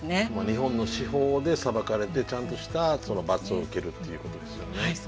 日本の司法で裁かれてちゃんとした罰を受けるっていうことですよね。